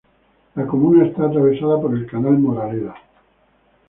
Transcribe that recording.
La comuna está atravesada por el canal Moraleda.